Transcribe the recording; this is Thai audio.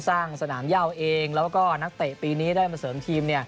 สร้างสนามย่าวเองแล้วก็นักเตะปีนี้ได้มาเสริมทีม